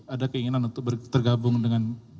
ada keinginan untuk tergabung dengan